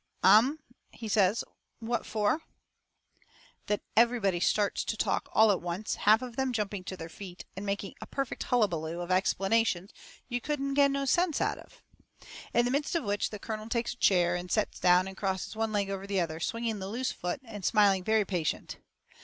"Um!" he says, "What for?" Then everybody starts to talk all at once, half of them jumping to their feet, and making a perfect hullabaloo of explanations you couldn't get no sense out of. In the midst of which the colonel takes a chair and sets down and crosses one leg over the other, swinging the loose foot and smiling very patient.